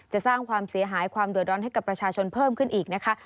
จะสร้างความเสียหายความเดือดร้อนให้กับประชาชนเพิ่มขึ้นอีกนะคะ